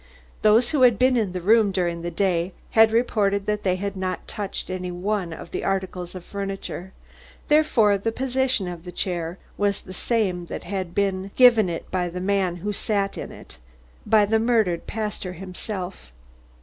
Those who had been in the room during the day had reported that they had not touched any one of the articles of furniture, therefore the position of the chair was the same that had been given it by the man who had sat in it, by the murdered pastor himself.